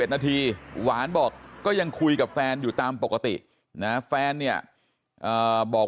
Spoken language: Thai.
นาทีหวานบอกก็ยังคุยกับแฟนอยู่ตามปกตินะแฟนเนี่ยบอก